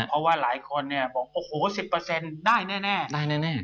เพราะว่าหลายคนบอก๑๐ได้แน่